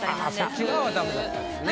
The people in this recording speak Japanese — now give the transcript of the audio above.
そっち側はダメだったんですね。